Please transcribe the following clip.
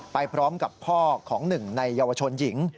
ไปพร้อมกับพ่อของหนึ่งในเยาวชนหญิง